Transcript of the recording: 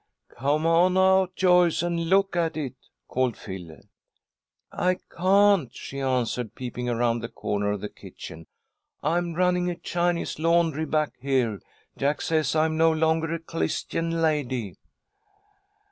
"Come on out, Joyce, and look at it," called Phil. "I can't," she answered, peeping around the corner of the kitchen. "I'm running a Chinese laundry back here. Jack says I'm no longer a 'Clistian lady.'"